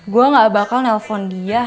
gue gak bakal nelfon dia